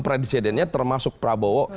presidennya termasuk prabowo